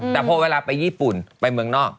แต่พอเวลาไปญี่ปุ่นไปเมืองนอก